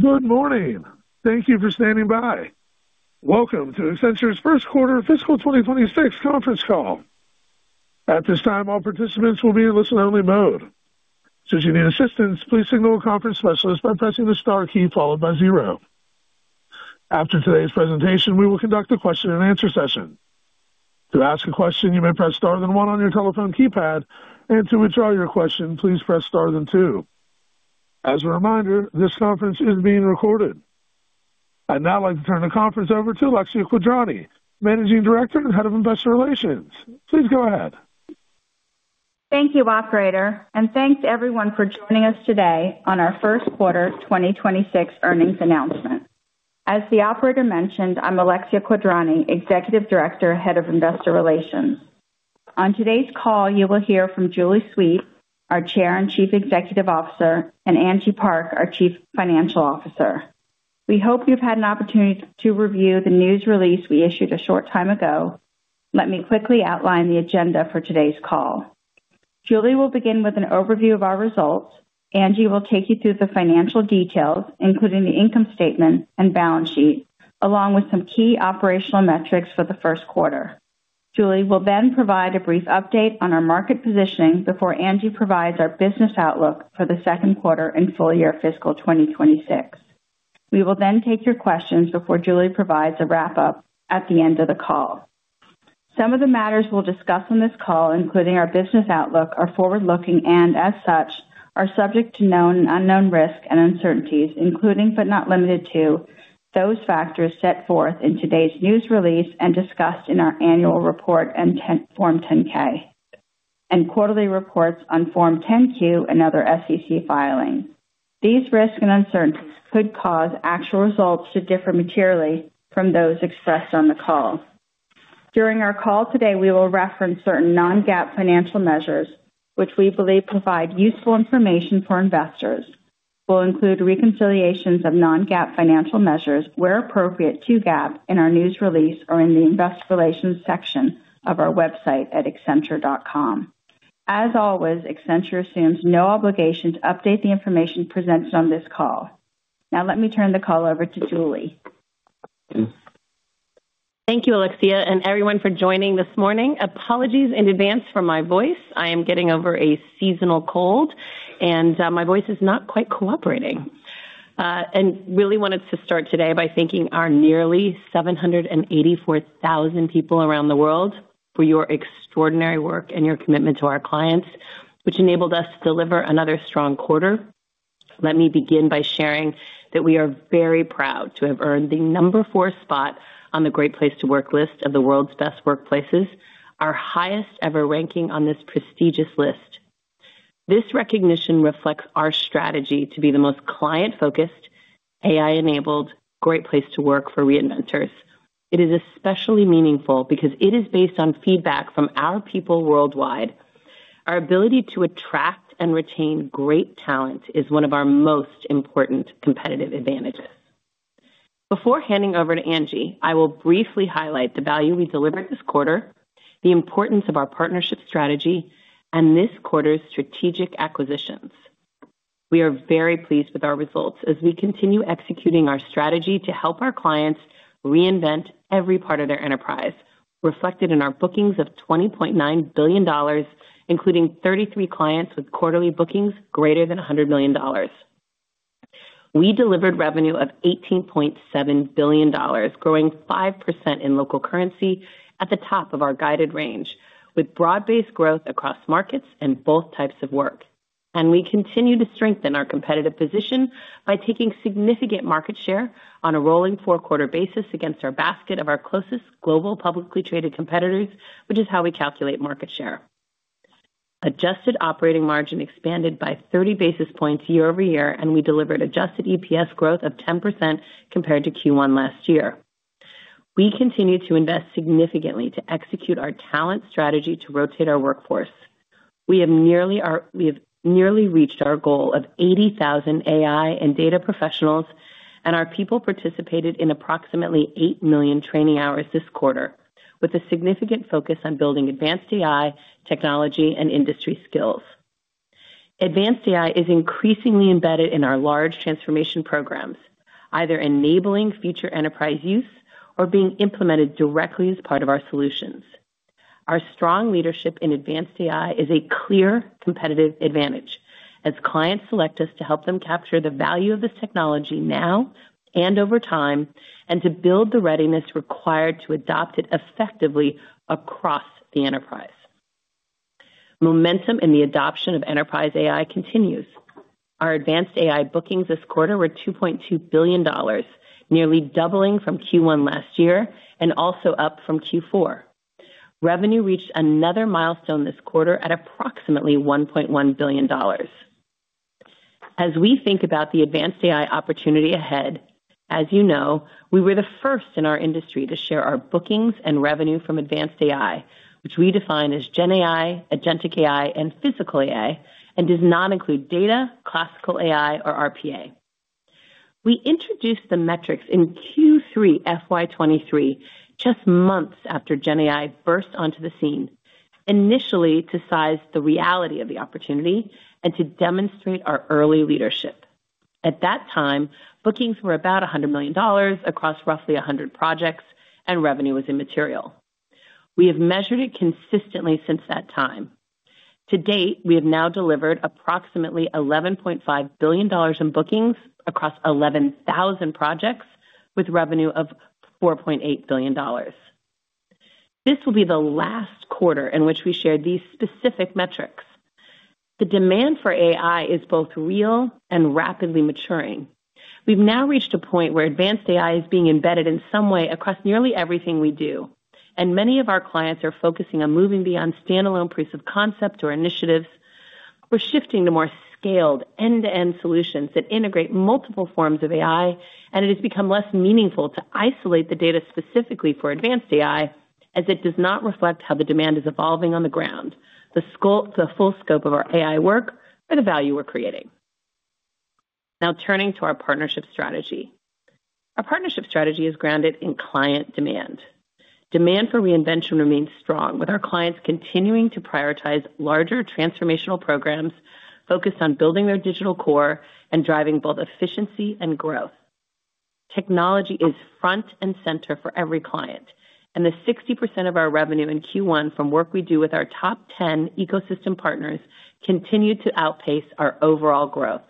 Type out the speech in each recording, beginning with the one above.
Good morning. Thank you for standing by. Welcome to Accenture's first quarter of fiscal 2026 conference call. At this time, all participants will be in listen-only mode. Should you need assistance, please signal a conference specialist by pressing the star key followed by zero. After today's presentation, we will conduct a question-and-answer session. To ask a question, you may press star then one on your telephone keypad, and to withdraw your question, please press star then two. As a reminder, this conference is being recorded. I'd now like to turn the conference over to Alexia Quadrani, Managing Director and Head of Investor Relations. Please go ahead. Thank you, Operator, and thanks to everyone for joining us today on our first quarter 2026 earnings announcement. As the Operator mentioned, I'm Alexia Quadrani, Executive Director, Head of Investor Relations. On today's call, you will hear from Julie Sweet, our Chair and Chief Executive Officer, and Angie Park, our Chief Financial Officer. We hope you've had an opportunity to review the news release we issued a short time ago. Let me quickly outline the agenda for today's call. Julie will begin with an overview of our results. Angie will take you through the financial details, including the income statement and balance sheet, along with some key operational metrics for the first quarter. Julie will then provide a brief update on our market positioning before Angie provides our business outlook for the second quarter and full year fiscal 2026. We will then take your questions before Julie provides a wrap-up at the end of the call. Some of the matters we'll discuss on this call, including our business outlook, are forward-looking and, as such, are subject to known and unknown risk and uncertainties, including but not limited to those factors set forth in today's news release and discussed in our annual report and Form 10-K and quarterly reports on Form 10-Q and other SEC filings. These risks and uncertainties could cause actual results to differ materially from those expressed on the call. During our call today, we will reference certain non-GAAP financial measures, which we believe provide useful information for investors. We'll include reconciliations of non-GAAP financial measures, where appropriate to GAAP, in our news release or in the investor relations section of our website at accenture.com. As always, Accenture assumes no obligation to update the information presented on this call. Now, let me turn the call over to Julie. Thank you, Alexia and everyone, for joining this morning. Apologies in advance for my voice. I am getting over a seasonal cold, and my voice is not quite cooperating. I really wanted to start today by thanking our nearly 784,000 people around the world for your extraordinary work and your commitment to our clients, which enabled us to deliver another strong quarter. Let me begin by sharing that we are very proud to have earned the number four spot on the Great Place to Work list of the world's best workplaces, our highest-ever ranking on this prestigious list. This recognition reflects our strategy to be the most client-focused, AI-enabled Great Place to Work for reinventors. It is especially meaningful because it is based on feedback from our people worldwide. Our ability to attract and retain great talent is one of our most important competitive advantages. Before handing over to Angie, I will briefly highlight the value we delivered this quarter, the importance of our partnership strategy, and this quarter's strategic acquisitions. We are very pleased with our results as we continue executing our strategy to help our clients reinvent every part of their enterprise, reflected in our bookings of $20.9 billion, including 33 clients with quarterly bookings greater than $100 million. We delivered revenue of $18.7 billion, growing 5% in local currency at the top of our guided range, with broad-based growth across markets and both types of work. And we continue to strengthen our competitive position by taking significant market share on a rolling four-quarter basis against our basket of our closest global publicly traded competitors, which is how we calculate market share. Adjusted operating margin expanded by 30 basis points year over year, and we delivered adjusted EPS growth of 10% compared to Q1 last year. We continue to invest significantly to execute our talent strategy to rotate our workforce. We have nearly reached our goal of 80,000 AI and data professionals, and our people participated in approximately eight million training hours this quarter, with a significant focus on building advanced AI technology and industry skills. Advanced AI is increasingly embedded in our large transformation programs, either enabling future enterprise use or being implemented directly as part of our solutions. Our strong leadership in advanced AI is a clear competitive advantage as clients select us to help them capture the value of this technology now and over time and to build the readiness required to adopt it effectively across the enterprise. Momentum in the adoption of enterprise AI continues. Our advanced AI bookings this quarter were $2.2 billion, nearly doubling from Q1 last year and also up from Q4. Revenue reached another milestone this quarter at approximately $1.1 billion. As we think about the advanced AI opportunity ahead, as you know, we were the first in our industry to share our bookings and revenue from advanced AI, which we define as Gen AI, Agentic AI, and Physical AI, and does not include data, classical AI, or RPA. We introduced the metrics in Q3 FY23, just months after Gen AI burst onto the scene, initially to size the reality of the opportunity and to demonstrate our early leadership. At that time, bookings were about $100 million across roughly 100 projects, and revenue was immaterial. We have measured it consistently since that time. To date, we have now delivered approximately $11.5 billion in bookings across 11,000 projects with revenue of $4.8 billion. This will be the last quarter in which we share these specific metrics. The demand for AI is both real and rapidly maturing. We've now reached a point where advanced AI is being embedded in some way across nearly everything we do, and many of our clients are focusing on moving beyond standalone proofs of concept or initiatives. We're shifting to more scaled end-to-end solutions that integrate multiple forms of AI, and it has become less meaningful to isolate the data specifically for advanced AI as it does not reflect how the demand is evolving on the ground, the full scope of our AI work, or the value we're creating. Now, turning to our partnership strategy. Our partnership strategy is grounded in client demand. Demand for reinvention remains strong, with our clients continuing to prioritize larger transformational programs focused on building their digital core and driving both efficiency and growth. Technology is front and center for every client, and the 60% of our revenue in Q1 from work we do with our top 10 ecosystem partners continued to outpace our overall growth.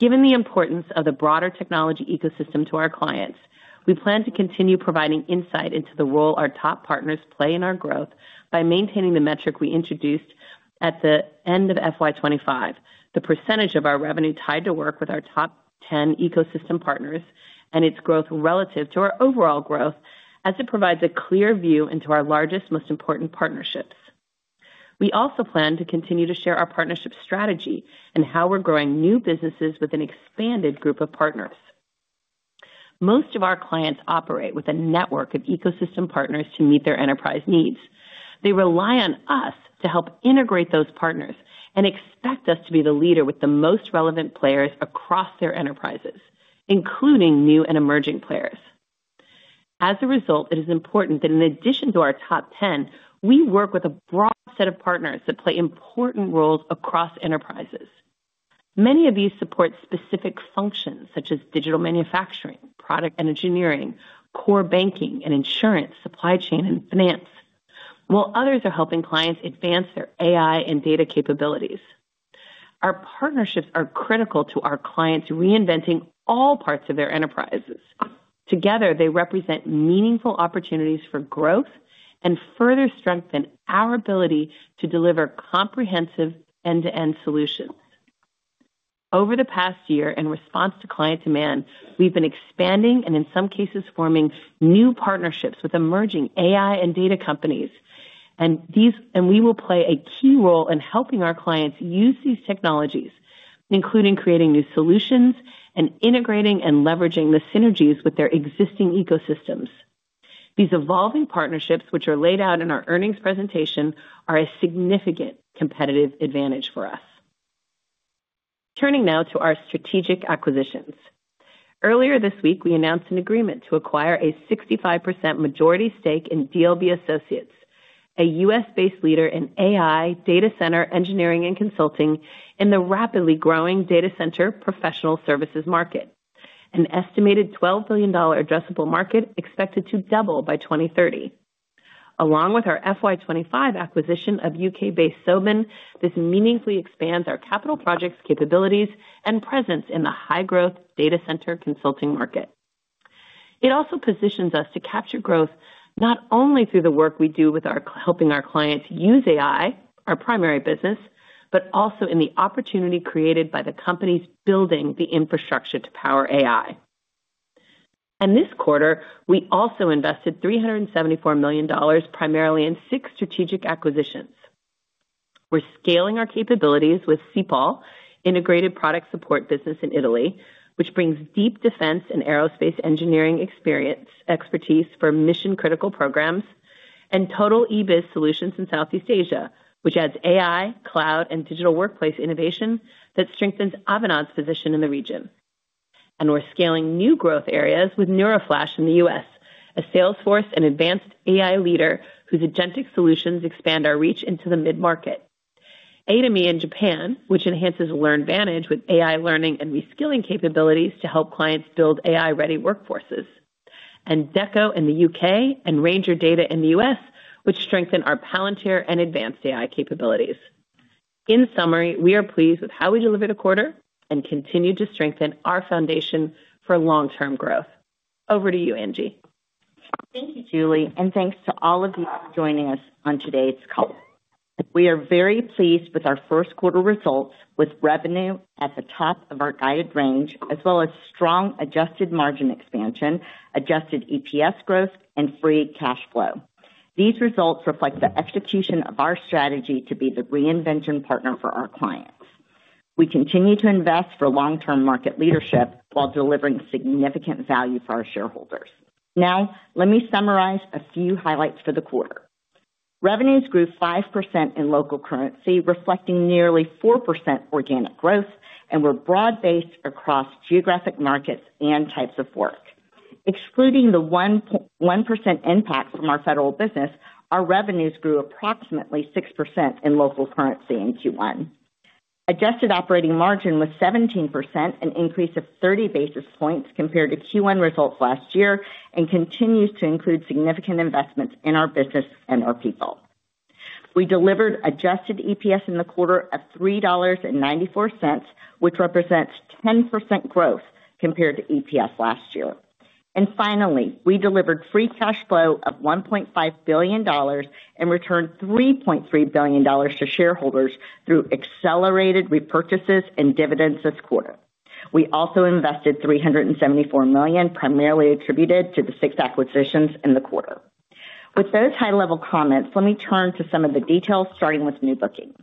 Given the importance of the broader technology ecosystem to our clients, we plan to continue providing insight into the role our top partners play in our growth by maintaining the metric we introduced at the end of FY25, the percentage of our revenue tied to work with our top 10 ecosystem partners and its growth relative to our overall growth as it provides a clear view into our largest, most important partnerships. We also plan to continue to share our partnership strategy and how we're growing new businesses with an expanded group of partners. Most of our clients operate with a network of ecosystem partners to meet their enterprise needs. They rely on us to help integrate those partners and expect us to be the leader with the most relevant players across their enterprises, including new and emerging players. As a result, it is important that in addition to our top 10, we work with a broad set of partners that play important roles across enterprises. Many of these support specific functions such as digital manufacturing, product engineering, core banking and insurance, supply chain and finance, while others are helping clients advance their AI and data capabilities. Our partnerships are critical to our clients reinventing all parts of their enterprises. Together, they represent meaningful opportunities for growth and further strengthen our ability to deliver comprehensive end-to-end solutions. Over the past year, in response to client demand, we've been expanding and, in some cases, forming new partnerships with emerging AI and data companies. And we will play a key role in helping our clients use these technologies, including creating new solutions and integrating and leveraging the synergies with their existing ecosystems. These evolving partnerships, which are laid out in our earnings presentation, are a significant competitive advantage for us. Turning now to our strategic acquisitions. Earlier this week, we announced an agreement to acquire a 65% majority stake in DLB Associates, a U.S.-based leader in AI data center engineering and consulting in the rapidly growing data center professional services market, an estimated $12 billion addressable market expected to double by 2030. Along with our FY25 acquisition of UK-based Soben, this meaningfully expands our capital projects capabilities and presence in the high-growth data center consulting market. It also positions us to capture growth not only through the work we do with helping our clients use AI, our primary business, but also in the opportunity created by the companies building the infrastructure to power AI. And this quarter, we also invested $374 million primarily in six strategic acquisitions. We're scaling our capabilities with SIPAL, Integrated Product Support Business in Italy, which brings deep defense and aerospace engineering expertise for mission-critical programs, and Total eBiz Solutions in Southeast Asia, which adds AI, cloud, and digital workplace innovation that strengthens Avanade's position in the region. And we're scaling new growth areas with NeuraFlash in the U.S., a Salesforce and advanced AI leader whose agentic solutions expand our reach into the mid-market. Aidemy in Japan, which enhances LearnVantage with AI learning and reskilling capabilities to help clients build AI-ready workforces. Decho in the U.K. and Ranger Data in the U.S., which strengthen our Palantir and advanced AI capabilities. In summary, we are pleased with how we delivered a quarter and continue to strengthen our foundation for long-term growth. Over to you, Angie. Thank you, Julie, and thanks to all of you for joining us on today's call. We are very pleased with our first quarter results, with revenue at the top of our guided range, as well as strong adjusted margin expansion, Adjusted EPS growth, and Free Cash Flow. These results reflect the execution of our strategy to be the reinvention partner for our clients. We continue to invest for long-term market leadership while delivering significant value for our shareholders. Now, let me summarize a few highlights for the quarter. Revenues grew 5% in local currency, reflecting nearly 4% organic growth, and were broad-based across geographic markets and types of work. Excluding the 1% impact from our federal business, our revenues grew approximately 6% in local currency in Q1. Adjusted operating margin was 17%, an increase of 30 basis points compared to Q1 results last year and continues to include significant investments in our business and our people. We delivered adjusted EPS in the quarter of $3.94, which represents 10% growth compared to EPS last year, and finally, we delivered free cash flow of $1.5 billion and returned $3.3 billion to shareholders through accelerated repurchases and dividends this quarter. We also invested $374 million, primarily attributed to the six acquisitions in the quarter. With those high-level comments, let me turn to some of the details, starting with new bookings.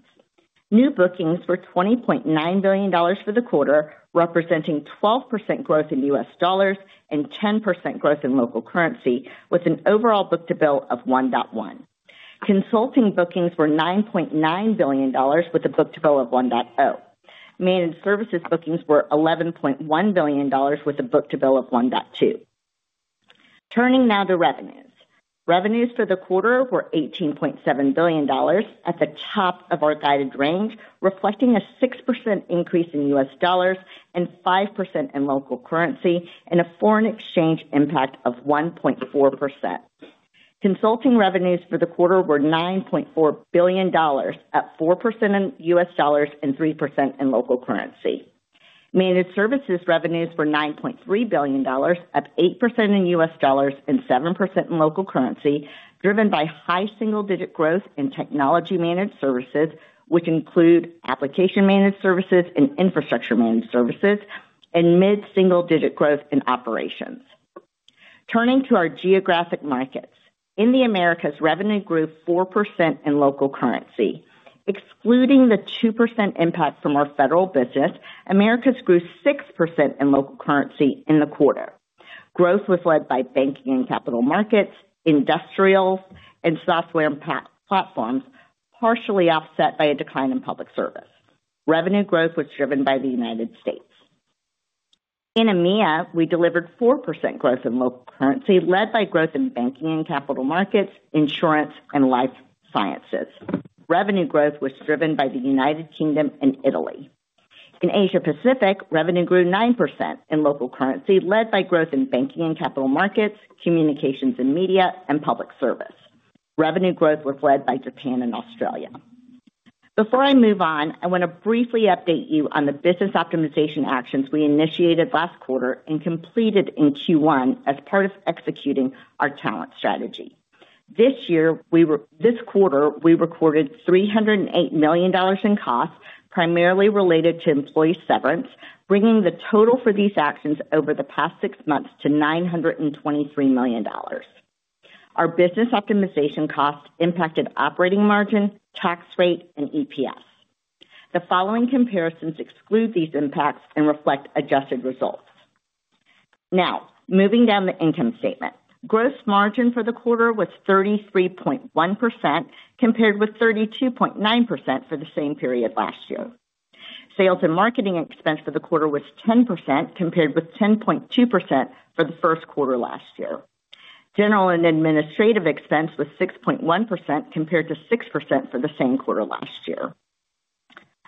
New bookings were $20.9 billion for the quarter, representing 12% growth in U.S. dollars and 10% growth in local currency, with an overall book-to-bill of $1.1. Consulting bookings were $9.9 billion, with a book-to-bill of $1.0. Managed Services bookings were $11.1 billion, with a book-to-bill of 1.2. Turning now to revenues. Revenues for the quarter were $18.7 billion, at the top of our guided range, reflecting a 6% increase in U.S. dollars and 5% in local currency and a foreign exchange impact of 1.4%. Consulting revenues for the quarter were $9.4 billion, at 4% in U.S. dollars and 3% in local currency. Managed Services revenues were $9.3 billion, at 8% in U.S. dollars and 7% in local currency, driven by high single-digit growth in technology managed services, which include application managed services and infrastructure managed services, and mid-single-digit growth in opperations. Turning to our geographic markets. In the Americas, revenue grew 4% in local currency. Excluding the 2% impact from our federal business, Americas grew 6% in local currency in the quarter. Growth was led by banking and capital markets, industrials, and software and platforms, partially offset by a decline in public service. Revenue growth was driven by the United States. In EMEA, we delivered 4% growth in local currency, led by growth in banking and capital markets, insurance, and life sciences. Revenue growth was driven by the United Kingdom and Italy. In Asia-Pacific, revenue grew 9% in local currency, led by growth in banking and capital markets, communications and media, and public service. Revenue growth was led by Japan and Australia. Before I move on, I want to briefly update you on the business optimization actions we initiated last quarter and completed in Q1 as part of executing our talent strategy. This quarter, we recorded $308 million in costs, primarily related to employee severance, bringing the total for these actions over the past six months to $923 million. Our business optimization costs impacted operating margin, tax rate, and EPS. The following comparisons exclude these impacts and reflect adjusted results. Now, moving down the income statement. Gross margin for the quarter was 33.1%, compared with 32.9% for the same period last year. Sales and marketing expense for the quarter was 10%, compared with 10.2% for the first quarter last year. General and administrative expense was 6.1%, compared to 6% for the same quarter last year.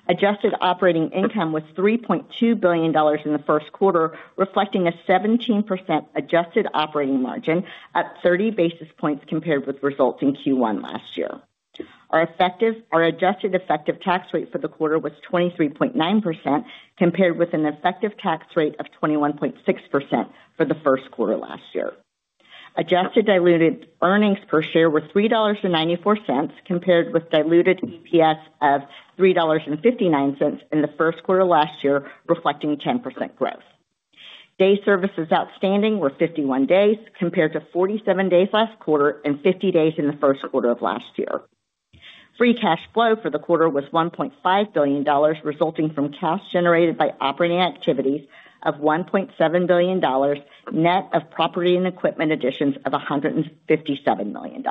Adjusted operating income was $3.2 billion in the first quarter, reflecting a 17% adjusted operating margin at 30 basis points compared with results in Q1 last year. Our adjusted effective tax rate for the quarter was 23.9%, compared with an effective tax rate of 21.6% for the first quarter last year. Adjusted diluted earnings per share were $3.94, compared with diluted EPS of $3.59 in the first quarter last year, reflecting 10% growth. Days Services Outstanding were 51 days, compared to 47 days last quarter and 50 days in the first quarter of last year. Free Cash Flow for the quarter was $1.5 billion, resulting from cash generated by operating activities of $1.7 billion, net of property and equipment additions of $157 million.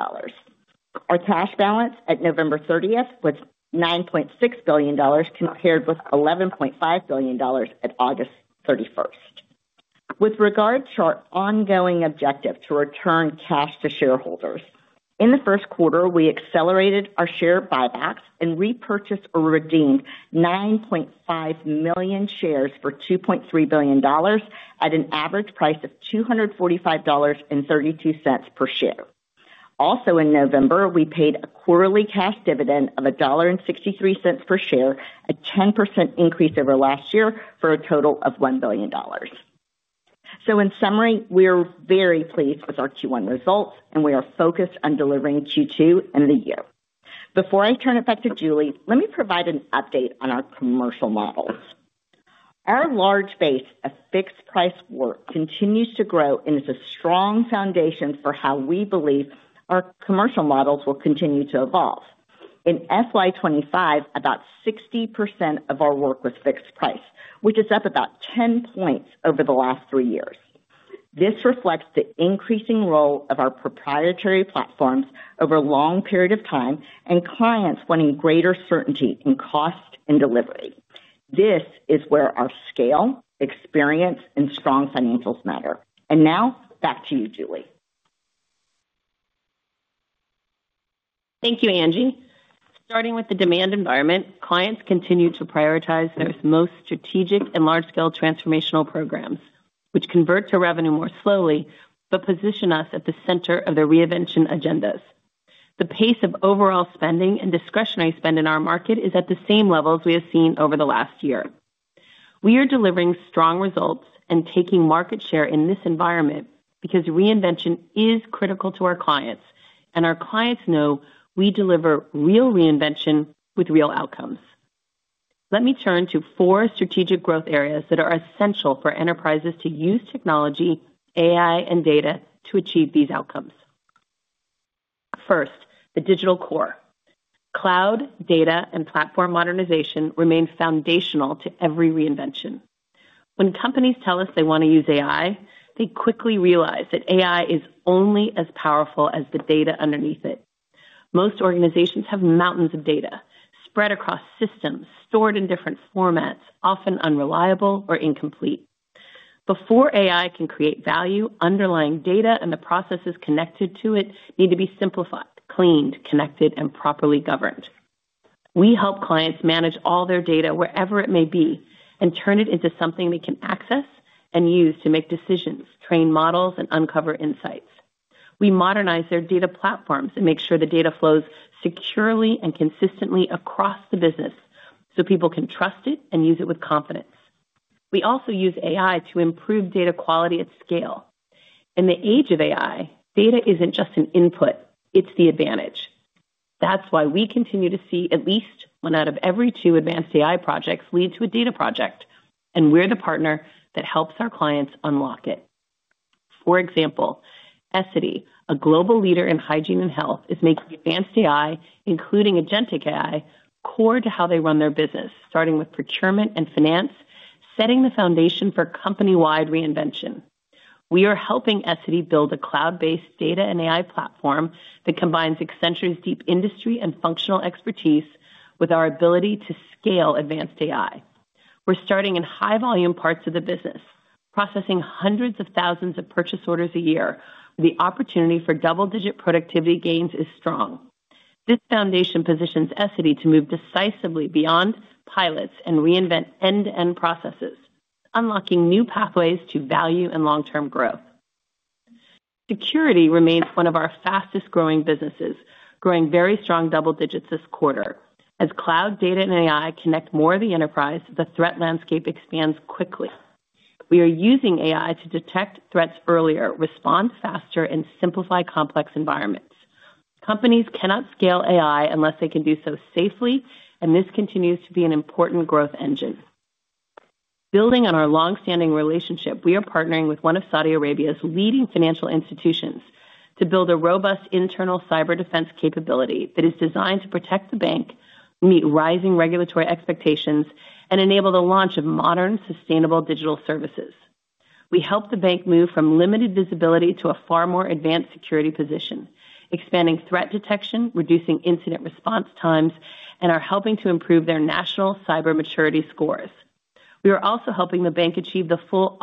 Our cash balance at November 30th was $9.6 billion, compared with $11.5 billion at August 31st. With regards to our ongoing objective to return cash to shareholders, in the first quarter, we accelerated our share buybacks and repurchased or redeemed 9.5 million shares for $2.3 billion at an average price of $245.32 per share. Also, in November, we paid a quarterly cash dividend of $1.63 per share, a 10% increase over last year for a total of $1 billion. So, in summary, we are very pleased with our Q1 results, and we are focused on delivering Q2 in the year. Before I turn it back to Julie, let me provide an update on our commercial models. Our large base of fixed-price work continues to grow and is a strong foundation for how we believe our commercial models will continue to evolve. In FY25, about 60% of our work was fixed-price, which is up about 10 points over the last three years. This reflects the increasing role of our proprietary platforms over a long period of time and clients wanting greater certainty in cost and delivery. This is where our scale, experience, and strong financials matter, and now, back to you, Julie. Thank you, Angie. Starting with the demand environment, clients continue to prioritize their most strategic and large-scale transformational programs, which convert to revenue more slowly but position us at the center of their reinvention agendas. The pace of overall spending and discretionary spend in our market is at the same levels we have seen over the last year. We are delivering strong results and taking market share in this environment because reinvention is critical to our clients, and our clients know we deliver real reinvention with real outcomes. Let me turn to four strategic growth areas that are essential for enterprises to use technology, AI, and data to achieve these outcomes. First, the digital core. Cloud, data, and platform modernization remain foundational to every reinvention. When companies tell us they want to use AI, they quickly realize that AI is only as powerful as the data underneath it. Most organizations have mountains of data spread across systems, stored in different formats, often unreliable or incomplete. Before AI can create value, underlying data and the processes connected to it need to be simplified, cleaned, connected, and properly governed. We help clients manage all their data wherever it may be and turn it into something they can access and use to make decisions, train models, and uncover insights. We modernize their data platforms and make sure the data flows securely and consistently across the business so people can trust it and use it with confidence. We also use AI to improve data quality at scale. In the age of AI, data isn't just an input; it's the advantage. That's why we continue to see at least one out of every two advanced AI projects lead to a data project, and we're the partner that helps our clients unlock it. For example, Essity, a global leader in hygiene and health, is making advanced AI, including agentic AI, core to how they run their business, starting with procurement and finance, setting the foundation for company-wide reinvention. We are helping Essity build a cloud-based data and AI platform that combines Accenture's deep industry and functional expertise with our ability to scale advanced AI. We're starting in high-volume parts of the business, processing hundreds of thousands of purchase orders a year, where the opportunity for double-digit productivity gains is strong. This foundation positions Essity to move decisively beyond pilots and reinvent end-to-end processes, unlocking new pathways to value and long-term growth. Security remains one of our fastest-growing businesses, growing very strong double digits this quarter. As cloud, data, and AI connect more of the enterprise, the threat landscape expands quickly. We are using AI to detect threats earlier, respond faster, and simplify complex environments. Companies cannot scale AI unless they can do so safely, and this continues to be an important growth engine. Building on our long-standing relationship, we are partnering with one of Saudi Arabia's leading financial institutions to build a robust internal cyber defense capability that is designed to protect the bank, meet rising regulatory expectations, and enable the launch of modern, sustainable digital services. We help the bank move from limited visibility to a far more advanced security position, expanding threat detection, reducing incident response times, and are helping to improve their national cyber maturity scores. We are also helping the bank achieve the full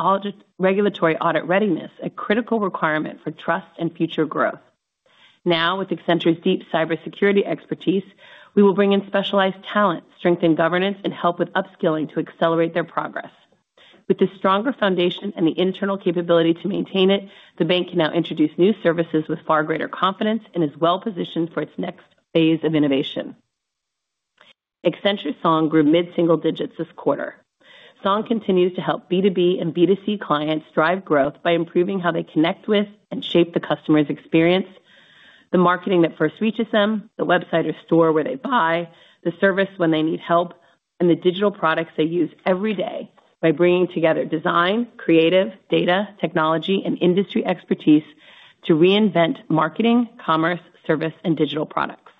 regulatory audit readiness, a critical requirement for trust and future growth. Now, with Accenture's deep cybersecurity expertise, we will bring in specialized talent, strengthen governance, and help with upskilling to accelerate their progress. With the stronger foundation and the internal capability to maintain it, the bank can now introduce new services with far greater confidence and is well-positioned for its next phase of innovation. Accenture Song grew mid-single digits this quarter. Song continues to help B2B and B2C clients drive growth by improving how they connect with and shape the customer's experience, the marketing that first reaches them, the website or store where they buy, the service when they need help, and the digital products they use every day by bringing together design, creative, data, technology, and industry expertise to reinvent marketing, commerce, service, and digital products.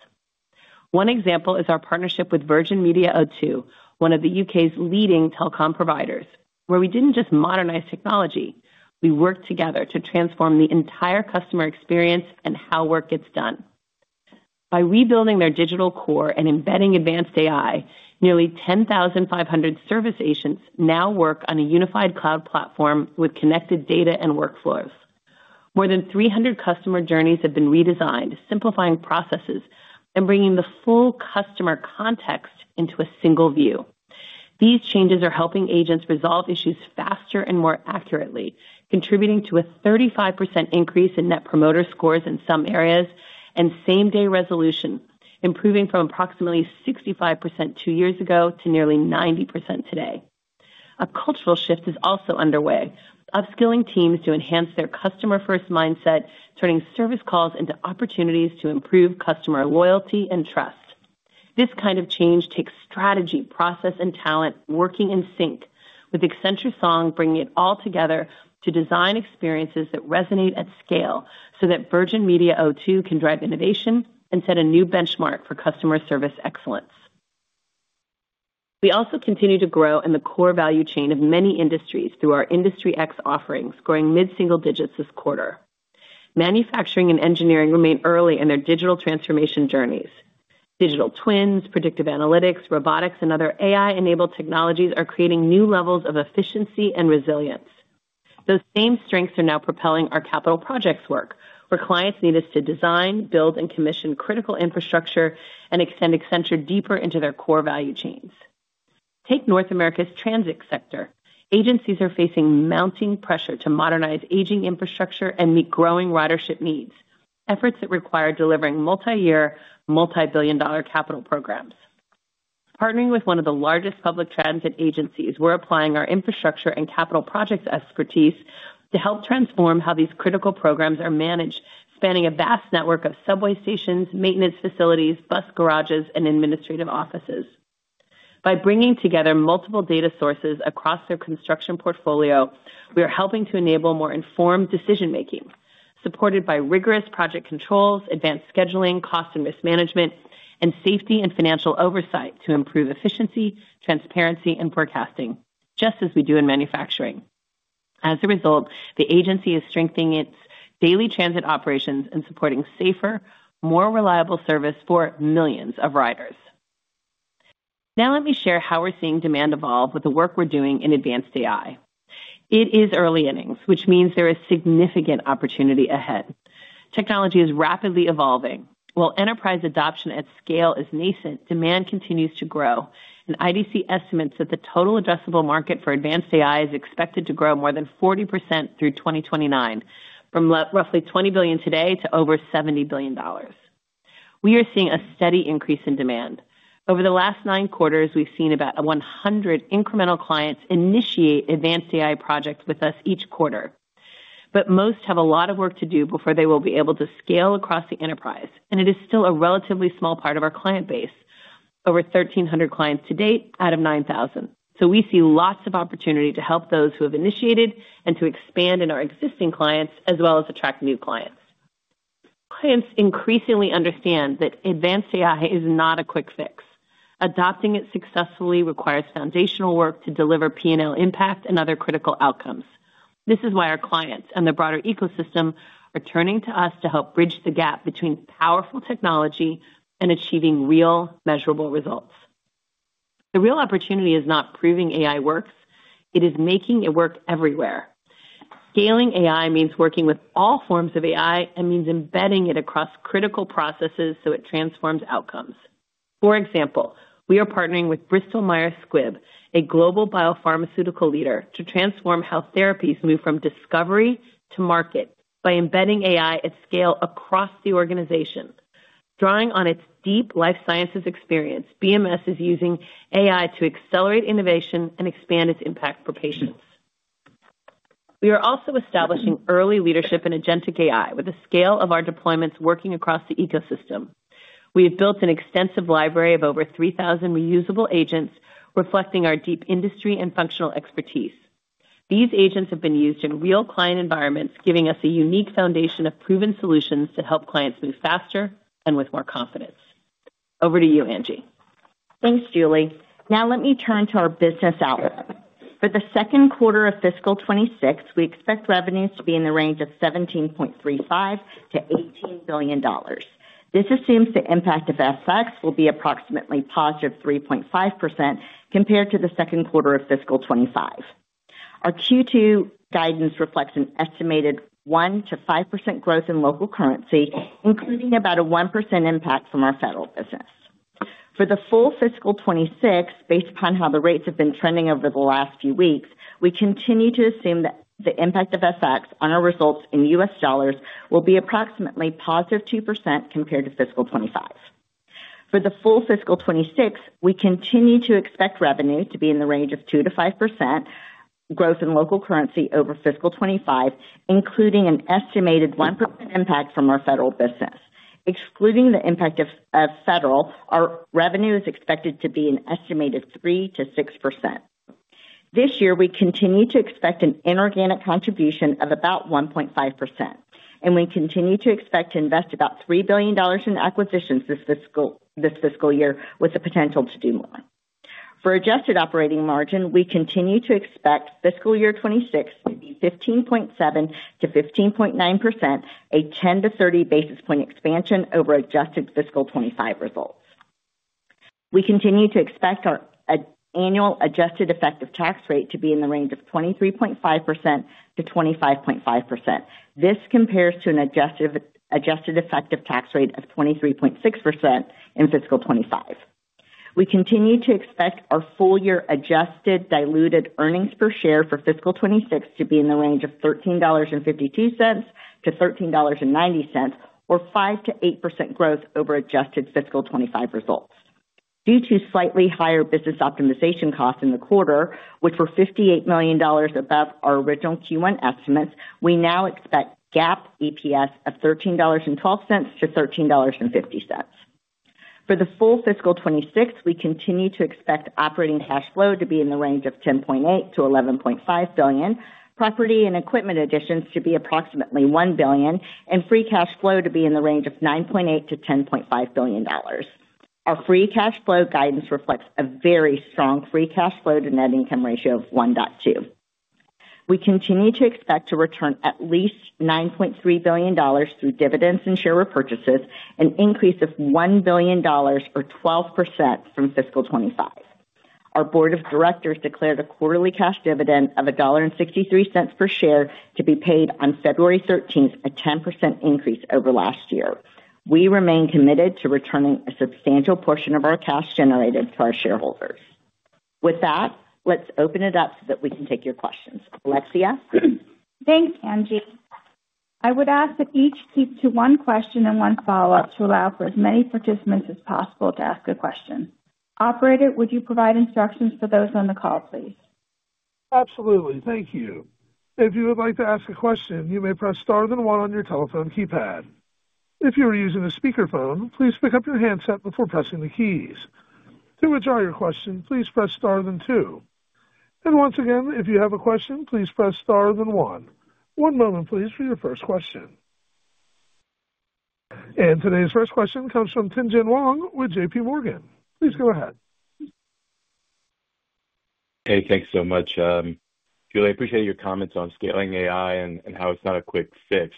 One example is our partnership with Virgin Media O2, one of the U.K.'s leading telecom providers, where we didn't just modernize technology. We worked together to transform the entire customer experience and how work gets done. By rebuilding their digital core and embedding advanced AI, nearly 10,500 service agents now work on a unified cloud platform with connected data and workflows. More than 300 customer journeys have been redesigned, simplifying processes and bringing the full customer context into a single view. These changes are helping agents resolve issues faster and more accurately, contributing to a 35% increase in net promoter scores in some areas and same-day resolution, improving from approximately 65% two years ago to nearly 90% today. A cultural shift is also underway, upskilling teams to enhance their customer-first mindset, turning service calls into opportunities to improve customer loyalty and trust. This kind of change takes strategy, process, and talent working in sync, with Accenture Song bringing it all together to design experiences that resonate at scale so that Virgin Media O2 can drive innovation and set a new benchmark for customer service excellence. We also continue to grow in the core value chain of many industries through our Industry X offerings, growing mid-single digits this quarter. Manufacturing and engineering remain early in their digital transformation journeys. Digital twins, predictive analytics, robotics, and other AI-enabled technologies are creating new levels of efficiency and resilience. Those same strengths are now propelling our capital projects work, where clients need us to design, build, and commission critical infrastructure and extend Accenture deeper into their core value chains. Take North America's transit sector. Agencies are facing mounting pressure to modernize aging infrastructure and meet growing ridership needs, efforts that require delivering multi-year, multi-billion-dollar capital programs. Partnering with one of the largest public transit agencies, we're applying our infrastructure and capital projects expertise to help transform how these critical programs are managed, spanning a vast network of subway stations, maintenance facilities, bus garages, and administrative offices. By bringing together multiple data sources across their construction portfolio, we are helping to enable more informed decision-making, supported by rigorous project controls, advanced scheduling, cost and risk management, and safety and financial oversight to improve efficiency, transparency, and forecasting, just as we do in manufacturing. As a result, the agency is strengthening its daily transit operations and supporting safer, more reliable service for millions of riders. Now, let me share how we're seeing demand evolve with the work we're doing in advanced AI. It is early innings, which means there is significant opportunity ahead. Technology is rapidly evolving. While enterprise adoption at scale is nascent, demand continues to grow, and IDC estimates that the total addressable market for advanced AI is expected to grow more than 40% through 2029, from roughly $20 billion today to over $70 billion. We are seeing a steady increase in demand. Over the last nine quarters, we've seen about 100 incremental clients initiate advanced AI projects with us each quarter. But most have a lot of work to do before they will be able to scale across the enterprise, and it is still a relatively small part of our client base, over 1,300 clients to date out of 9,000 clients. So we see lots of opportunity to help those who have initiated and to expand in our existing clients, as well as attract new clients. Clients increasingly understand that advanced AI is not a quick fix. Adopting it successfully requires foundational work to deliver P&L impact and other critical outcomes. This is why our clients and the broader ecosystem are turning to us to help bridge the gap between powerful technology and achieving real, measurable results. The real opportunity is not proving AI works. It is making it work everywhere. Scaling AI means working with all forms of AI and means embedding it across critical processes so it transforms outcomes. For example, we are partnering with Bristol Myers Squibb, a global biopharmaceutical leader, to transform how therapies move from discovery to market by embedding AI at scale across the organization. Drawing on its deep life sciences experience, BMS is using AI to accelerate innovation and expand its impact for patients. We are also establishing early leadership in agentic AI with the scale of our deployments working across the ecosystem. We have built an extensive library of over 3,000 reusable agents, reflecting our deep industry and functional expertise. These agents have been used in real client environments, giving us a unique foundation of proven solutions to help clients move faster and with more confidence. Over to you, Angie. Thanks, Julie. Now, let me turn to our business outlook. For the second quarter of fiscal 2026, we expect revenues to be in the range of $17.35 billion-$18 billion. This assumes the impact of FX will be approximately positive 3.5% compared to the second quarter of fiscal 2025. Our Q2 guidance reflects an estimated 1%-5% growth in local currency, including about a 1% impact from our federal business. For the full fiscal 2026, based upon how the rates have been trending over the last few weeks, we continue to assume that the impact of FX on our results in US dollars will be approximately positive 2% compared to fiscal 2025. For the full fiscal 2026, we continue to expect revenue to be in the range of 2%-5% growth in local currency over fiscal 2025, including an estimated 1% impact from our federal business. Excluding the impact of federal, our revenue is expected to be an estimated 3%-6%. This year, we continue to expect an inorganic contribution of about 1.5%, and we continue to expect to invest about $3 billion in acquisitions this fiscal year, with the potential to do more. For adjusted operating margin, we continue to expect fiscal year 26 to be 15.7%-15.9%, a 10-30 basis point expansion over adjusted fiscal 25 results. We continue to expect our annual adjusted effective tax rate to be in the range of 23.5%-25.5%. This compares to an adjusted effective tax rate of 23.6% in fiscal 25. We continue to expect our full-year adjusted diluted earnings per share for fiscal 26 to be in the range of $13.52-$13.90, or 5%-8% growth over adjusted fiscal 25 results. Due to slightly higher business optimization costs in the quarter, which were $58 million above our original Q1 estimates, we now expect GAAP EPS of $13.12-$13.50. For the full fiscal 26, we continue to expect operating cash flow to be in the range of $10.8 billion-$11.5 billion, property and equipment additions to be approximately $1 billion, and free cash flow to be in the range of $9.8 billion-$10.5 billion. Our free cash flow guidance reflects a very strong free cash flow to net income ratio of 1.2. We continue to expect to return at least $9.3 billion through dividends and share repurchases, an increase of $1 billion, or 12%, from fiscal 25. Our board of directors declared a quarterly cash dividend of $1.63 per share to be paid on February 13th, a 10% increase over last year. We remain committed to returning a substantial portion of our cash generated to our shareholders. With that, let's open it up so that we can take your questions. Alexia. Thanks, Angie. I would ask that each keep to one question and one follow-up to allow for as many participants as possible to ask a question. Operator, would you provide instructions for those on the call, please? Absolutely. Thank you. If you would like to ask a question, you may press star then one on your telephone keypad. If you are using a speakerphone, please pick up your handset before pressing the keys. To withdraw your question, please press star then two. And once again, if you have a question, please press star then one. One moment, please, for your first question. And today's first question comes from Tien-tsin Huang with JPMorgan. Please go ahead. Hey, thanks so much. Julie, I appreciate your comments on scaling AI and how it's not a quick fix.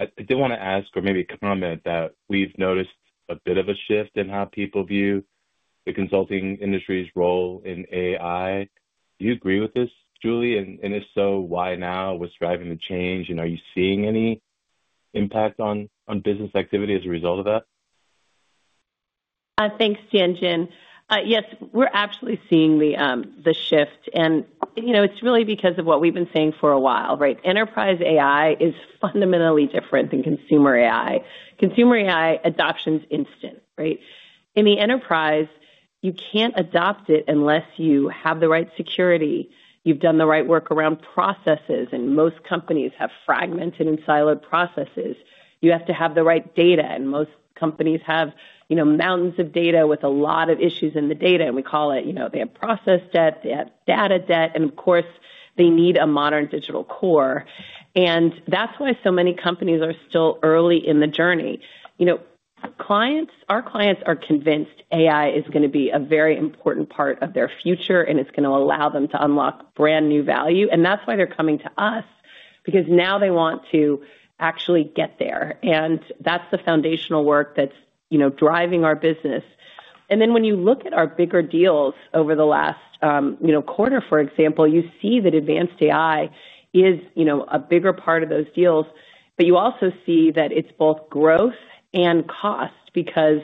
So I did want to ask, or maybe comment, that we've noticed a bit of a shift in how people view the consulting industry's role in AI. Do you agree with this, Julie? And if so, why now? What's driving the change? And are you seeing any impact on business activity as a result of that? I think, Tien-tsin, yes, we're absolutely seeing the shift, and it's really because of what we've been saying for a while, right? Enterprise AI is fundamentally different than consumer AI. Consumer AI adoption is instant, right? In the enterprise, you can't adopt it unless you have the right security. You've done the right work around processes, and most companies have fragmented and siloed processes. You have to have the right data, and most companies have mountains of data with a lot of issues in the data. We call it they have process debt, they have data debt, and of course, they need a modern digital core, and that's why so many companies are still early in the journey. Our clients are convinced AI is going to be a very important part of their future, and it's going to allow them to unlock brand new value. And that's why they're coming to us, because now they want to actually get there. And that's the foundational work that's driving our business. And then when you look at our bigger deals over the last quarter, for example, you see that advanced AI is a bigger part of those deals. But you also see that it's both growth and cost, because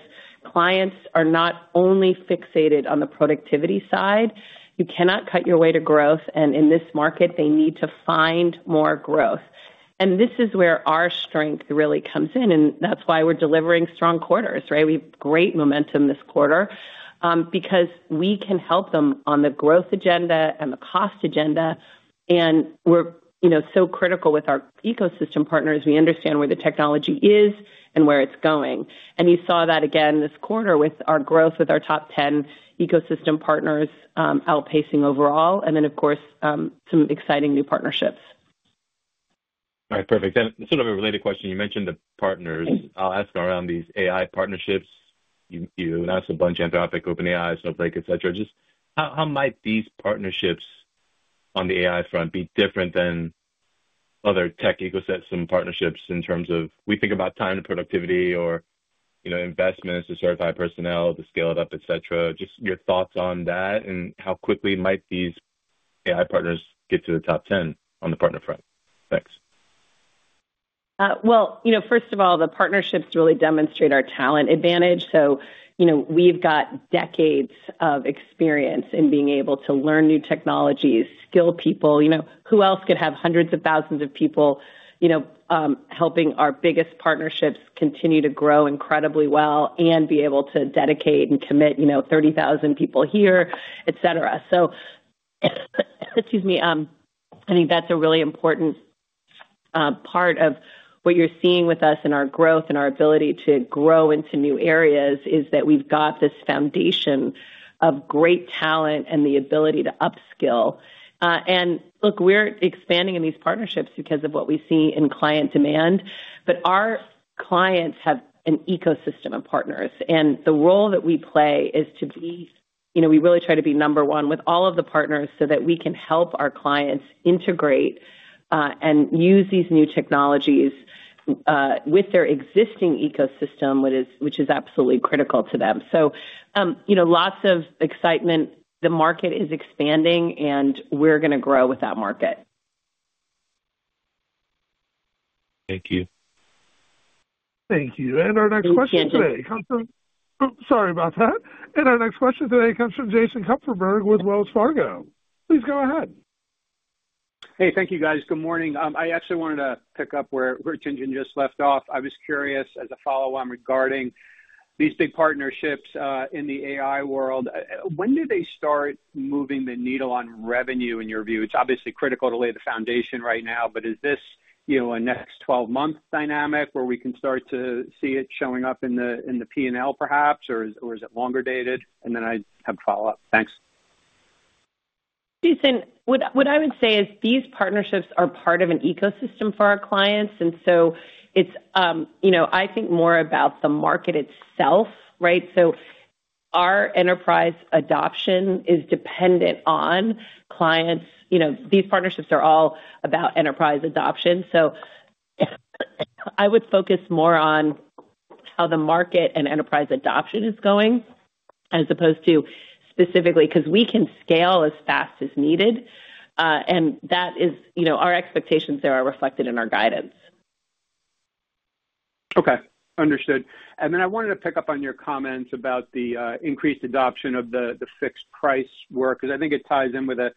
clients are not only fixated on the productivity side. You cannot cut your way to growth. And in this market, they need to find more growth. And this is where our strength really comes in. And that's why we're delivering strong quarters, right? We have great momentum this quarter because we can help them on the growth agenda and the cost agenda. And we're so critical with our ecosystem partners. We understand where the technology is and where it's going. And you saw that again this quarter with our growth, with our top 10 ecosystem partners outpacing overall, and then, of course, some exciting new partnerships. All right, perfect and sort of a related question. You mentioned the partners. I'll ask around these AI partnerships. You announced a bunch of Anthropic, OpenAI, Snowflake, etc. Just how might these partnerships on the AI front be different than other tech ecosystem partnerships in terms of we think about time to productivity or investments to certify personnel, to scale it up, etc.? Just your thoughts on that and how quickly might these AI partners get to the top 10 on the partner front? Thanks. First of all, the partnerships really demonstrate our talent advantage. We've got decades of experience in being able to learn new technologies, skill people. Who else could have hundreds of thousands of people helping our biggest partnerships continue to grow incredibly well and be able to dedicate and commit 30,000 people here, etc.? Excuse me, I think that's a really important part of what you're seeing with us in our growth and our ability to grow into new areas is that we've got this foundation of great talent and the ability to upskill. Look, we're expanding in these partnerships because of what we see in client demand. Our clients have an ecosystem of partners. The role that we play is, we really try to be number one with all of the partners so that we can help our clients integrate and use these new technologies with their existing ecosystem, which is absolutely critical to them. Lots of excitement. The market is expanding, and we're going to grow with that market. Thank you. Thank you. And our next question today comes from Jason Kupferberg with Wells Fargo. Please go ahead. Hey, thank you, guys. Good morning. I actually wanted to pick up where Tien-tsin Huang just left off. I was curious, as a follow-up regarding these big partnerships in the AI world, when do they start moving the needle on revenue, in your view? It's obviously critical to lay the foundation right now, but is this a next 12-month dynamic where we can start to see it showing up in the P&L, perhaps, or is it longer dated? And then I have a follow-up. Thanks. Jason, what I would say is these partnerships are part of an ecosystem for our clients, and so I think more about the market itself, right, so our enterprise adoption is dependent on clients. These partnerships are all about enterprise adoption, so I would focus more on how the market and enterprise adoption is going as opposed to specifically because we can scale as fast as needed, and our expectations there are reflected in our guidance. Okay. Understood, and then I wanted to pick up on your comments about the increased adoption of the fixed price work because I think it ties in with a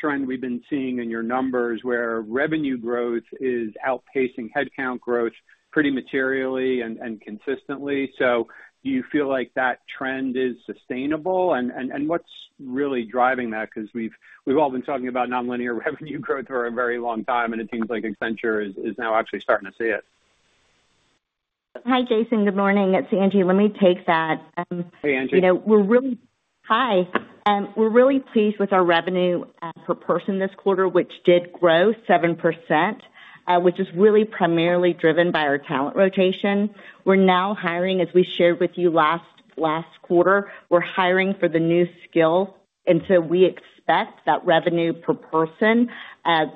trend we've been seeing in your numbers where revenue growth is outpacing headcount growth pretty materially and consistently, so do you feel like that trend is sustainable, and what's really driving that? Because we've all been talking about nonlinear revenue growth for a very long time, and it seems like Accenture is now actually starting to see it. Hi, Jason. Good morning. It's Angie. Let me take that. Hey, Angie. We're really pleased with our revenue per person this quarter, which did grow 7%, which is really primarily driven by our talent rotation. We're now hiring, as we shared with you last quarter, we're hiring for the new skill. And so we expect that revenue per person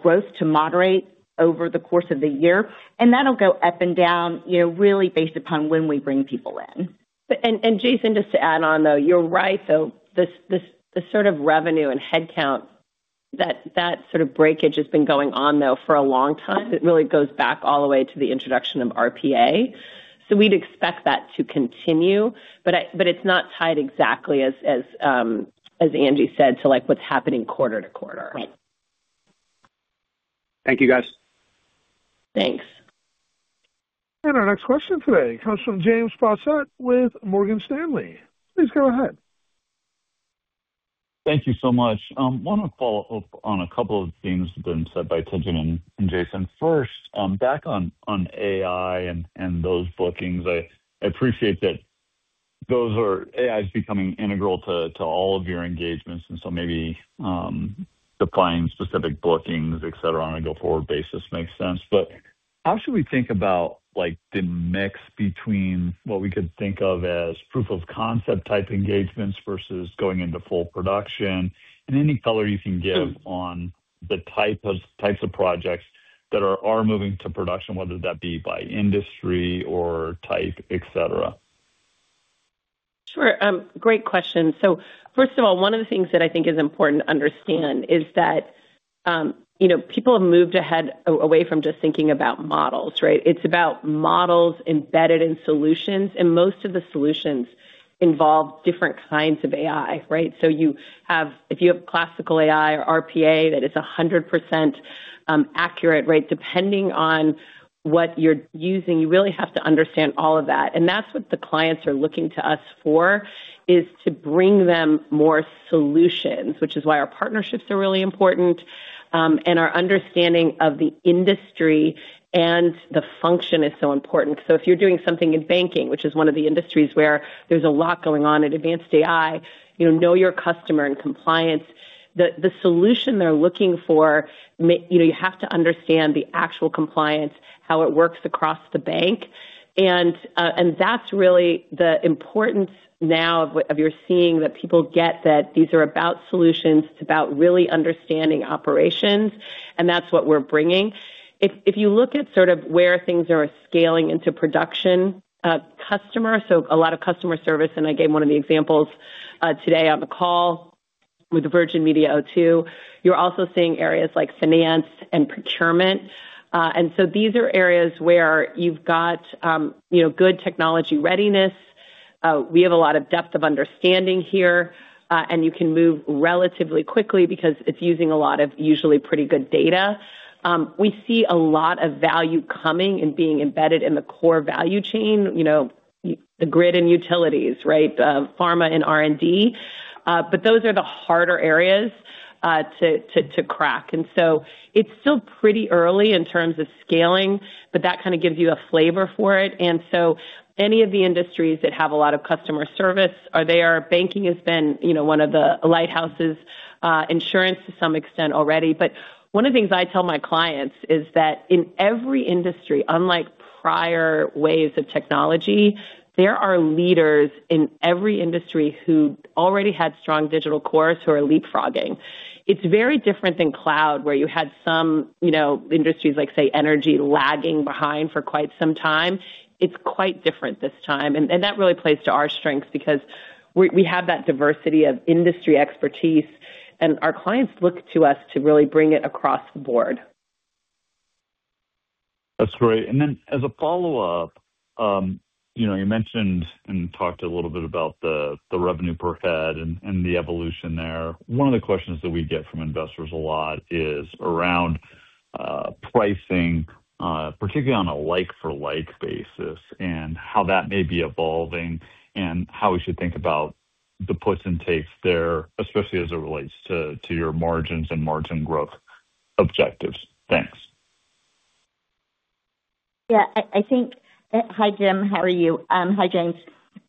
growth to moderate over the course of the year. And that'll go up and down really based upon when we bring people in. And Jason, just to add on, though, you're right. So the sort of revenue and headcount, that sort of breakage has been going on, though, for a long time. It really goes back all the way to the introduction of RPA. So we'd expect that to continue, but it's not tied exactly, as Angie said, to what's happening quarter to quarter. Right. Thank you, guys. Thanks. Our next question today comes from James Faucette with Morgan Stanley. Please go ahead. Thank you so much. I want to follow up on a couple of things that have been said by Tien-tsin Huang and Jason Kupferberg. First, back on AI and those bookings, I appreciate that AI is becoming integral to all of your engagements. And so maybe defining specific bookings, etc., on a go-forward basis makes sense. But how should we think about the mix between what we could think of as proof-of-concept type engagements versus going into full production? And any color you can give on the types of projects that are moving to production, whether that be by industry or type, etc.? Sure. Great question. So first of all, one of the things that I think is important to understand is that people have moved away from just thinking about models, right? It's about models embedded in solutions. And most of the solutions involve different kinds of AI, right? So if you have classical AI or RPA that is 100% accurate, right, depending on what you're using, you really have to understand all of that. And that's what the clients are looking to us for, is to bring them more solutions, which is why our partnerships are really important. And our understanding of the industry and the function is so important. So if you're doing something in banking, which is one of the industries where there's a lot going on in advanced AI, know your customer and compliance, the solution they're looking for, you have to understand the actual compliance, how it works across the bank. And that's really the importance now of you're seeing that people get that these are about solutions. It's about really understanding operations. And that's what we're bringing. If you look at sort of where things are scaling into production customer, so a lot of customer service, and I gave one of the examples today on the call with Virgin Media O2, you're also seeing areas like finance and procurement. And so these are areas where you've got good technology readiness. We have a lot of depth of understanding here, and you can move relatively quickly because it's using a lot of usually pretty good data. We see a lot of value coming and being embedded in the core value chain, the grid and utilities, right, pharma and R&D, but those are the harder areas to crack, and so it's still pretty early in terms of scaling, but that kind of gives you a flavor for it, and so any of the industries that have a lot of customer service, there, banking has been one of the lighthouses, insurance to some extent already, but one of the things I tell my clients is that in every industry, unlike prior waves of technology, there are leaders in every industry who already had strong digital cores who are leapfrogging. It's very different than cloud, where you had some industries, like, say, energy lagging behind for quite some time. It's quite different this time. And that really plays to our strengths because we have that diversity of industry expertise. And our clients look to us to really bring it across the board. That's great. And then as a follow-up, you mentioned and talked a little bit about the revenue per head and the evolution there. One of the questions that we get from investors a lot is around pricing, particularly on a like-for-like basis, and how that may be evolving, and how we should think about the puts and takes there, especially as it relates to your margins and margin growth objectives. Thanks. Yeah. I think, hi, Jim. How are you? Hi, James.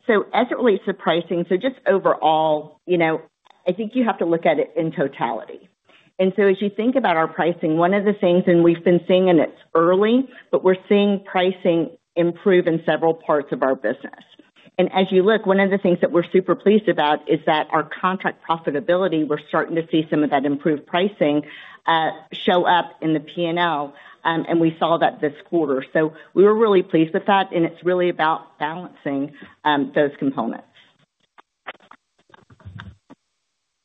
As it relates to pricing, just overall, I think you have to look at it in totality. As you think about our pricing, one of the things, and we've been seeing it's early, but we're seeing pricing improve in several parts of our business. As you look, one of the things that we're super pleased about is that our contract profitability, we're starting to see some of that improved pricing show up in the P&L, and we saw that this quarter. We were really pleased with that, and it's really about balancing those components.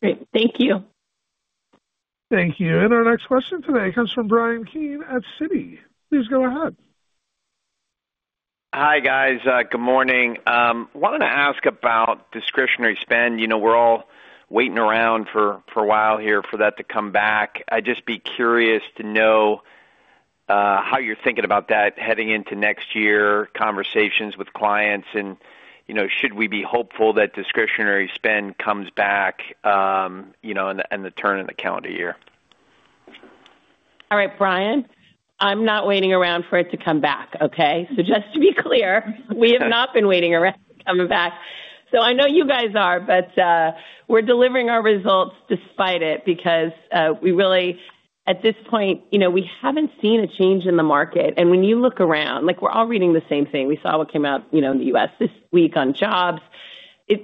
Great. Thank you. Thank you. And our next question today comes from Bryan Keane at Citi. Please go ahead. Hi, guys. Good morning. I wanted to ask about discretionary spend. We're all waiting around for a while here for that to come back. I'd just be curious to know how you're thinking about that heading into next year, conversations with clients, and should we be hopeful that discretionary spend comes back and the turn in the calendar year? All right, Brian. I'm not waiting around for it to come back, okay, so just to be clear, we have not been waiting around for it to come back, so I know you guys are, but we're delivering our results despite it because we really, at this point, we haven't seen a change in the market, and when you look around, we're all reading the same thing. We saw what came out in the U.S. this week on jobs.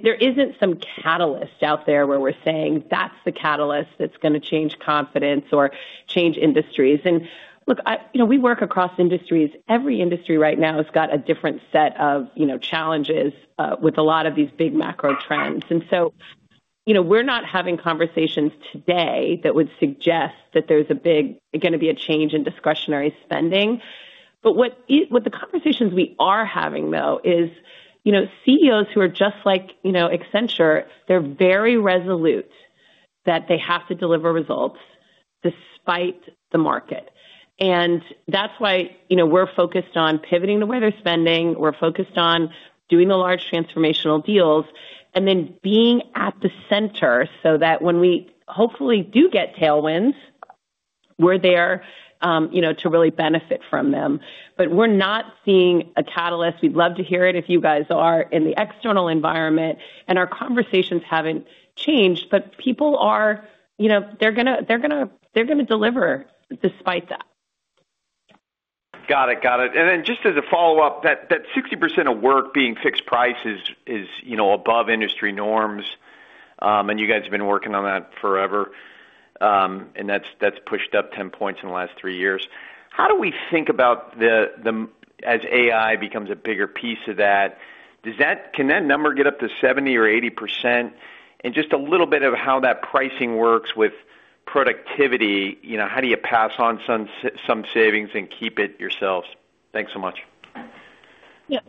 There isn't some catalyst out there where we're saying, "That's the catalyst that's going to change confidence or change industries," and look, we work across industries. Every industry right now has got a different set of challenges with a lot of these big macro trends, and so we're not having conversations today that would suggest that there's going to be a change in discretionary spending. But the conversations we are having, though, is CEOs who are just like Accenture, they're very resolute that they have to deliver results despite the market. And that's why we're focused on pivoting the way they're spending. We're focused on doing the large transformational deals and then being at the center so that when we hopefully do get tailwinds, we're there to really benefit from them. But we're not seeing a catalyst. We'd love to hear it if you guys are in the external environment. And our conversations haven't changed, but people are, they're going to deliver despite that. Got it. Got it. And then just as a follow-up, that 60% of work being fixed price is above industry norms, and you guys have been working on that forever. And that's pushed up 10 points in the last three years. How do we think about the, as AI becomes a bigger piece of that, can that number get up to 70% or 80%? And just a little bit of how that pricing works with productivity, how do you pass on some savings and keep it yourselves? Thanks so much. Yeah.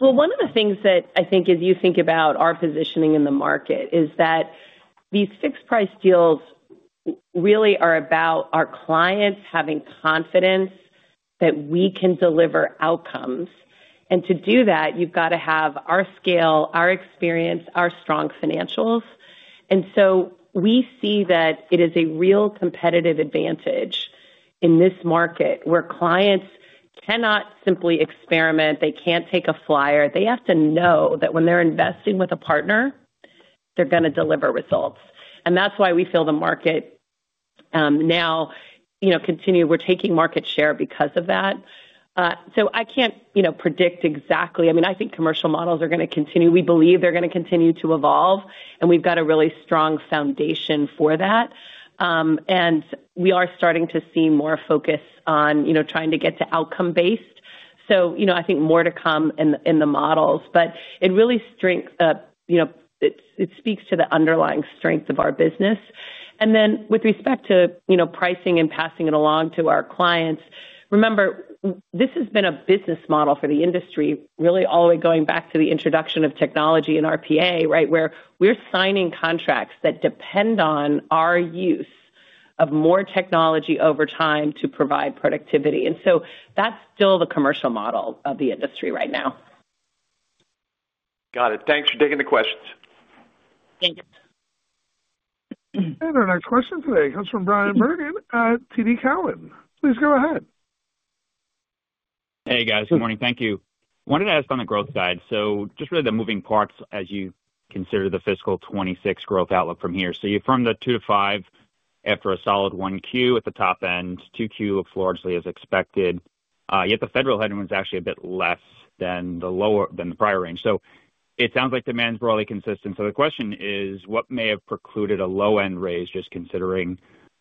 Well, one of the things that I think as you think about our positioning in the market is that these fixed-price deals really are about our clients having confidence that we can deliver outcomes. And to do that, you've got to have our scale, our experience, our strong financials. And so we see that it is a real competitive advantage in this market where clients cannot simply experiment. They can't take a flyer. They have to know that when they're investing with a partner, they're going to deliver results. And that's why we feel the market now continues. We're taking market share because of that. So I can't predict exactly. I mean, I think commercial models are going to continue. We believe they're going to continue to evolve. And we've got a really strong foundation for that. And we are starting to see more focus on trying to get to outcome-based. So I think more to come in the models. But it really strengthens, it speaks to the underlying strength of our business. And then with respect to pricing and passing it along to our clients, remember, this has been a business model for the industry, really all the way going back to the introduction of technology and RPA, right, where we're signing contracts that depend on our use of more technology over time to provide productivity. And so that's still the commercial model of the industry right now. Got it. Thanks for taking the questions. Thanks. And our next question today comes from Bryan Bergin at TD Cowen. Please go ahead. Hey, guys. Good morning. Thank you. Wanted to ask on the growth side. So just really the moving parts as you consider the fiscal 2026 growth outlook from here. So you're from the 2 to 5 after a solid 1Q at the top end, 2Q looks largely as expected. Yet the federal headwind was actually a bit less than the prior range. So it sounds like demand's broadly consistent. So the question is, what may have precluded a low-end raise, just considering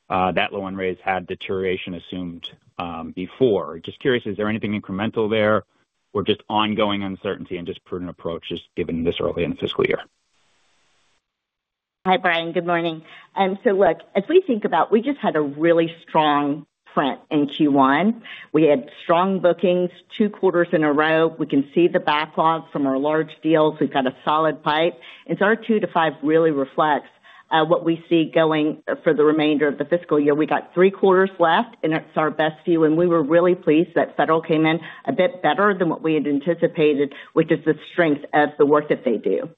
that low-end raise had deterioration assumed before? Just curious, is there anything incremental there or just ongoing uncertainty and just prudent approach, just given this early in the fiscal year? Hi, Brian. Good morning. So, look, as we think about, we just had a really strong print in Q1. We had strong bookings two quarters in a row. We can see the backlog from our large deals. We've got a solid pipe. And so our 2 to 5 really reflects what we see going for the remainder of the fiscal year. We got three quarters left, and it's our best view. And we were really pleased that Federal came in a bit better than what we had anticipated, which is the strength of the work that they do.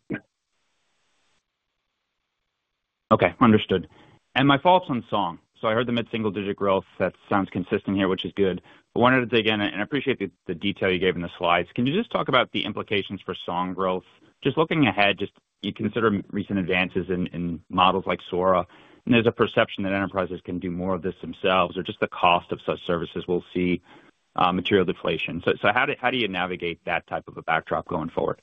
Okay. Understood, and my follow-up's on Song, so I heard the mid-single digit growth. That sounds consistent here, which is good, but wanted to dig in, and I appreciate the detail you gave in the slides. Can you just talk about the implications for Song growth, just looking ahead, just you consider recent advances in models like Sora, and there's a perception that enterprises can do more of this themselves or just the cost of such services will see material deflation, so how do you navigate that type of a backdrop going forward?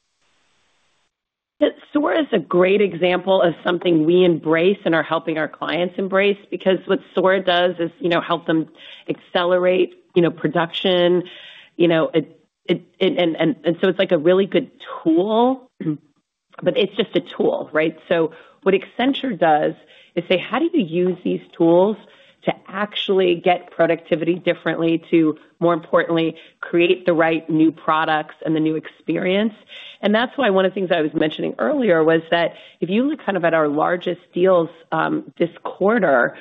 Yeah. Sora is a great example of something we embrace and are helping our clients embrace because what Sora does is help them accelerate production. And so it's like a really good tool, but it's just a tool, right? So what Accenture does is say, "How do you use these tools to actually get productivity differently to, more importantly, create the right new products and the new experience?" And that's why one of the things I was mentioning earlier was that if you look kind of at our largest deals this quarter,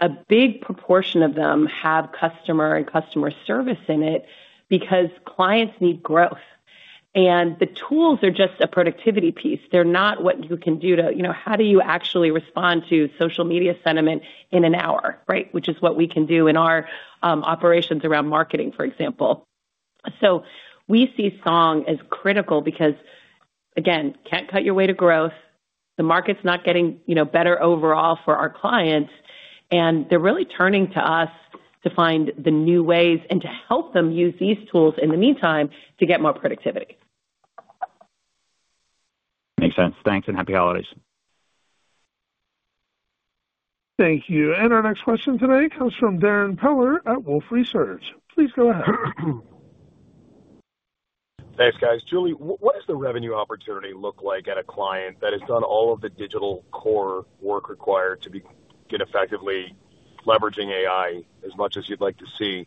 a big proportion of them have customer and customer service in it because clients need growth. And the tools are just a productivity piece. They're not what you can do to, "How do you actually respond to social media sentiment in an hour?" right, which is what we can do in our operations around marketing, for example. So we see Song as critical because, again, can't cut your way to growth. The market's not getting better overall for our clients, and they're really turning to us to find the new ways and to help them use these tools in the meantime to get more productivity. Makes sense. Thanks and happy holidays. Thank you. And our next question today comes from Darrin Peller at Wolfe Research. Please go ahead. Thanks, guys. Julie, what does the revenue opportunity look like at a client that has done all of the digital core work required to get effectively leveraging AI as much as you'd like to see?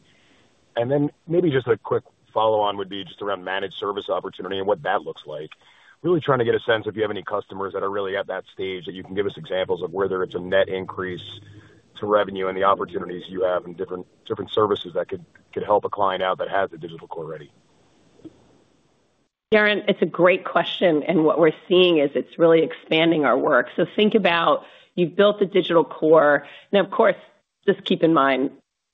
And then maybe just a quick follow-on would be just around Managed Services opportunity and what that looks like. Really trying to get a sense if you have any customers that are really at that stage that you can give us examples of whether it's a net increase to revenue and the opportunities you have in different services that could help a client out that has the digital core ready. Darrin, it's a great question and what we're seeing is it's really expanding our work so think about you've built the digital core and of course, just keep in mind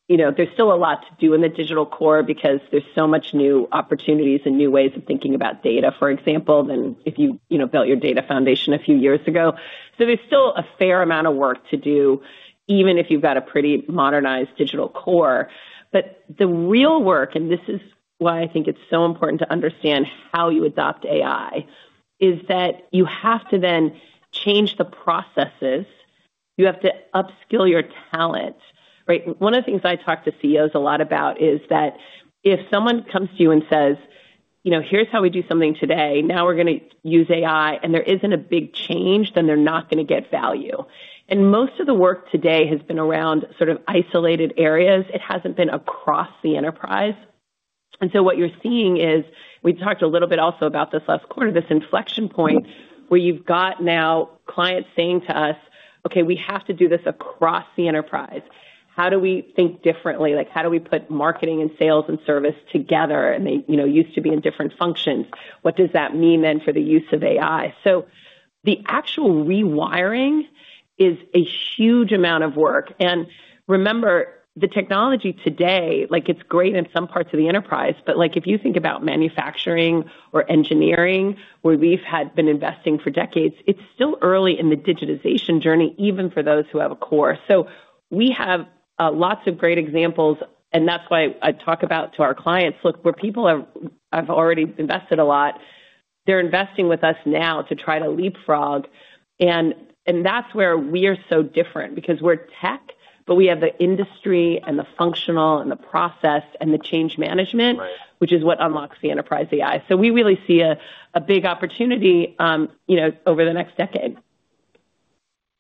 there's still a lot to do in the digital core because there's so much new opportunities and new ways of thinking about data, for example, than if you built your data foundation a few years ago so there's still a fair amount of work to do, even if you've got a pretty modernized digital core but the real work, and this is why I think it's so important to understand how you adopt AI, is that you have to then change the processes. You have to upskill your talent, right? One of the things I talk to CEOs a lot about is that if someone comes to you and says, "Here's how we do something today. Now we're going to use AI," and there isn't a big change, then they're not going to get value. And most of the work today has been around sort of isolated areas. It hasn't been across the enterprise. And so what you're seeing is we talked a little bit also about this last quarter, this inflection point where you've got now clients saying to us, "Okay, we have to do this across the enterprise. How do we think differently? How do we put marketing and sales and service together?" And they used to be in different functions. What does that mean then for the use of AI? So the actual rewiring is a huge amount of work. And remember, the technology today, it's great in some parts of the enterprise, but if you think about manufacturing or engineering, where we've been investing for decades, it's still early in the digitization journey, even for those who have a core. So we have lots of great examples. And that's why I talk about to our clients, "Look, where people have already invested a lot, they're investing with us now to try to leapfrog." And that's where we are so different because we're tech, but we have the industry and the functional and the process and the change management, which is what unlocks the enterprise AI. So we really see a big opportunity over the next decade.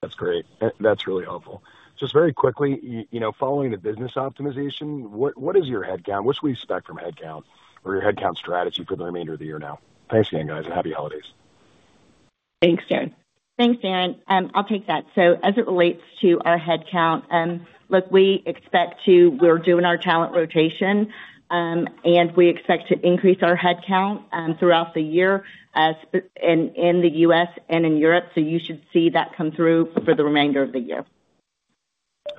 That's great. That's really helpful. Just very quickly, following the business optimization, what is your headcount? What should we expect from headcount or your headcount strategy for the remainder of the year now? Thanks again, guys, and happy holidays. Thanks, Darrin. Thanks, Darrin. I'll take that. So as it relates to our headcount, look, we expect to, we're doing our talent rotation, and we expect to increase our headcount throughout the year in the U.S. and in Europe. So you should see that come through for the remainder of the year.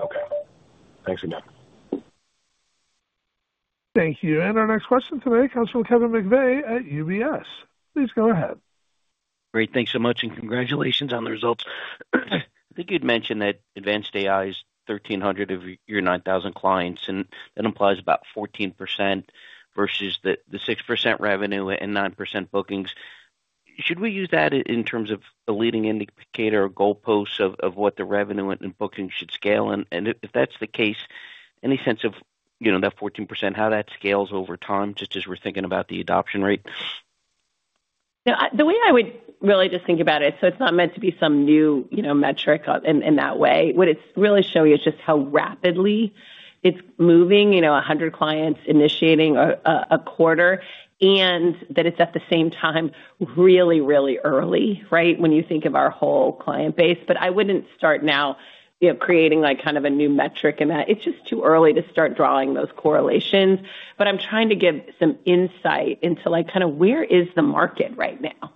Okay. Thanks again. Thank you. And our next question today comes from Kevin McVeigh at UBS. Please go ahead. Great. Thanks so much, and congratulations on the results. I think you'd mentioned that advanced AI is 1,300 of your 9,000 clients, and that implies about 14% versus the 6% revenue and 9% bookings. Should we use that in terms of a leading indicator or goalpost of what the revenue and bookings should scale? And if that's the case, any sense of that 14%, how that scales over time, just as we're thinking about the adoption rate? The way I would really just think about it, so it's not meant to be some new metric in that way. What it's really showing is just how rapidly it's moving: 100 clients initiating a quarter, and that it's at the same time really, really early, right, when you think of our whole client base. But I wouldn't start now creating kind of a new metric in that. It's just too early to start drawing those correlations. But I'm trying to give some insight into kind of where is the market right now.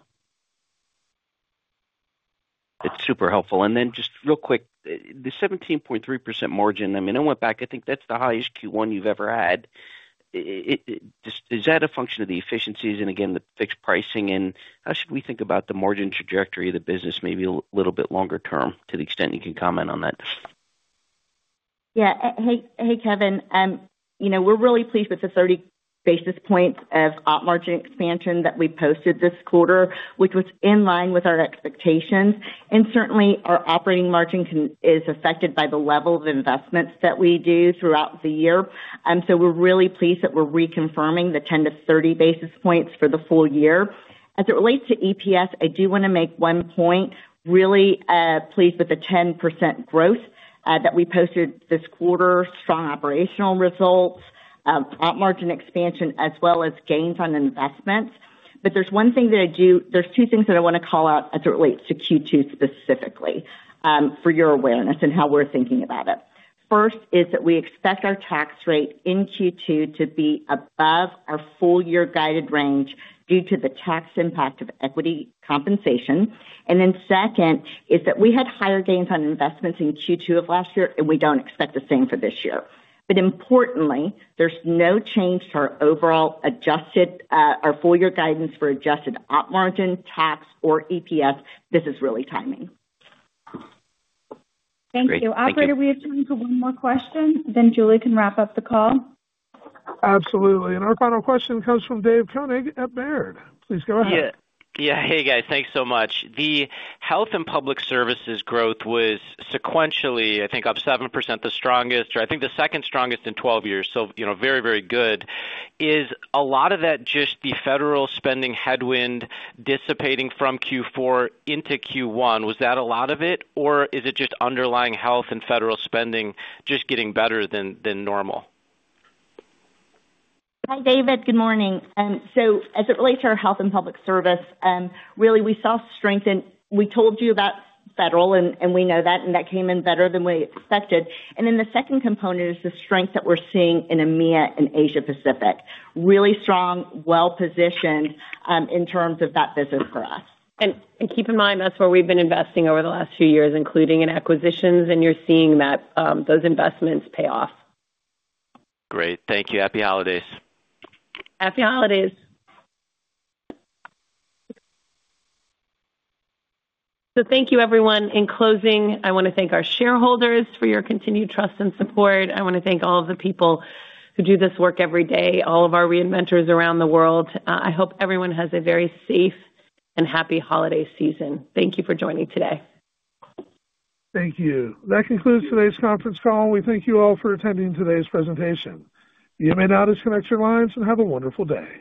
That's super helpful. And then just real quick, the 17.3% margin, I mean, I went back. I think that's the highest Q1 you've ever had. Is that a function of the efficiencies and, again, the fixed pricing? And how should we think about the margin trajectory of the business, maybe a little bit longer term, to the extent you can comment on that? Yeah. Hey, Kevin. We're really pleased with the 30 basis points of op margin expansion that we posted this quarter, which was in line with our expectations, and certainly, our operating margin is affected by the level of investments that we do throughout the year, and so we're really pleased that we're reconfirming the 10 to 30 basis points for the full year. As it relates to EPS, I do want to make one point. Really pleased with the 10% growth that we posted this quarter, strong operational results, op margin expansion, as well as gains on investments, but there's one thing that I do. There's two things that I want to call out as it relates to Q2 specifically for your awareness and how we're thinking about it. First is that we expect our tax rate in Q2 to be above our full-year guided range due to the tax impact of equity compensation. And then second is that we had higher gains on investments in Q2 of last year, and we don't expect the same for this year. But importantly, there's no change to our overall adjusted, our full-year guidance for adjusted op margin, tax, or EPS. This is really timing. Thank you. Operator, we have time for one more question. Then Julie can wrap up the call. Absolutely. And our final question comes from David Koning at Baird. Please go ahead. Yeah. Hey, guys. Thanks so much. The Health & Public Service growth was sequentially, I think, up 7%, the strongest, or I think the second strongest in 12 years, so very, very good. Is a lot of that just the federal spending headwind dissipating from Q4 into Q1? Was that a lot of it, or is it just underlying health and federal spending just getting better than normal? Hi, David. Good morning. So as it relates to our health and public service, really, we saw strength in, we told you about federal, and we know that, and that came in better than we expected. And then the second component is the strength that we're seeing in EMEA and Asia-Pacific. Really strong, well-positioned in terms of that business for us. Keep in mind, that's where we've been investing over the last few years, including in acquisitions, and you're seeing that those investments pay off. Great. Thank you. Happy holidays. Happy holidays. So thank you, everyone. In closing, I want to thank our shareholders for your continued trust and support. I want to thank all of the people who do this work every day, all of our reinventors around the world. I hope everyone has a very safe and happy holiday season. Thank you for joining today. Thank you. That concludes today's conference call. We thank you all for attending today's presentation. You may now disconnect your lines and have a wonderful day.